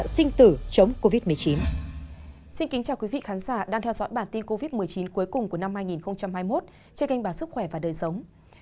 xin chào quý vị khán giả đang theo dõi bản tin covid một mươi chín cuối cùng của năm hai nghìn hai mươi một trên kênh báo sức khỏe và đời sống